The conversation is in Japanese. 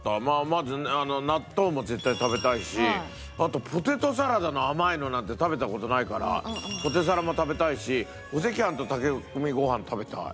まずあの納豆も絶対食べたいしあとポテトサラダの甘いのなんて食べた事ないからポテサラも食べたいしお赤飯と炊き込みご飯食べたい。